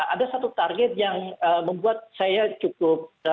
ada satu target yang membuat saya cukup